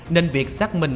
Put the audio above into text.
nên việc xác minh